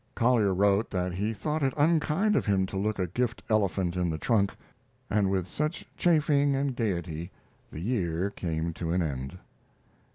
Collier wrote that he thought it unkind of him to look a gift elephant in the trunk. And with such chaffing and gaiety the year came to an end.